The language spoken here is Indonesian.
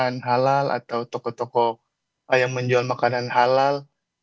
makanan halal atau toko toko yang menjual makanan halal